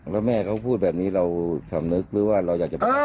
แล้วแม่เขาพูดแบบนี้เราสำนึกหรือว่าเราอยากจะบอก